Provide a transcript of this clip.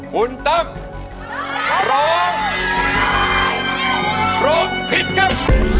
หุ่นตับร้องพิษครับ